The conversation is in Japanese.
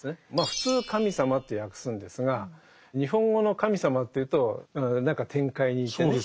普通「神様」って訳すんですが日本語の「神様」というと何か天界にいてね。